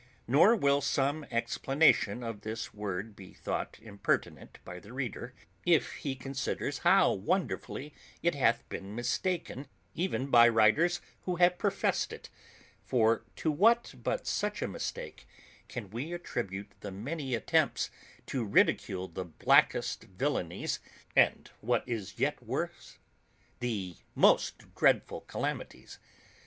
Nor will some explanation of this word be thought impertinent by the reader, if he considers how wonderfully it hath been mistaken, even by writers who have profess'd it; for to what but such a mistake, can we attribute the many attempts to ridicule the blackest villainies, and what is yet worse the most dreadful calamities?